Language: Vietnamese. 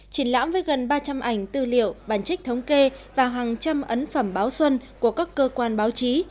triển lãm với gần ba trăm linh ảnh tư liệu bản trích thống kê và hàng trăm ấn phẩm báo xuân của các cơ quan báo chí